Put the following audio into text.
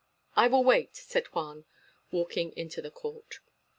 "I will wait," said Juan, walking into the court.